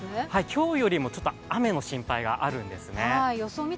今日よりもちょっと雨の心配があるんですね